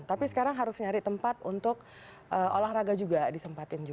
tapi sekarang harus nyari tempat untuk olahraga juga disempatin juga